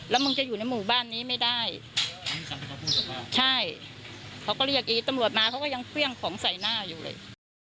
แล้วมึงจะอยู่ในหมู่บ้านนี้ไม่ได้ใช่เขาก็เรียกอีตำรวจมาเขาก็ยังเครื่องของใส่หน้าอยู่เลย